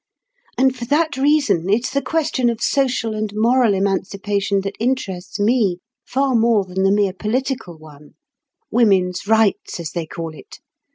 "And for that reason, it's the question of social and moral emancipation that interests me far more than the mere political one—woman's rights as they call it.